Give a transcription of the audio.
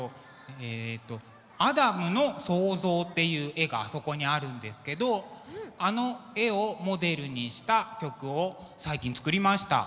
えっと「アダムの創造」っていう絵があそこにあるんですけどあの絵をモデルにした曲を最近作りました。